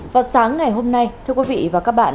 vào sáng ngày hôm nay thưa quý vị và các bạn